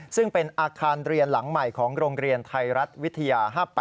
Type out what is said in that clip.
ซึ่งเป็นอาคารเรียนหลังใหม่ของโรงเรียนไทยรัฐวิทยา๕๘